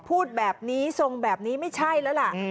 พูดแบบนี้ทรงแบบนี้ไม่ใช่แล้วล่ะ